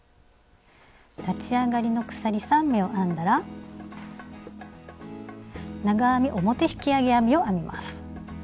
立ち上がりの鎖３目を編んだら「長編み表引き上げ編み」を編みます。